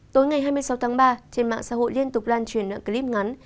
tối ngày hai mươi sáu tháng ba trên mạng xã hội liên tục lan truyền đoạn clip ngắn